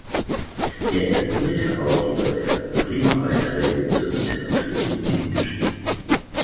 Er ist Mitherausgeber der "Bremer Beiträge zur Literatur- und Ideengeschichte".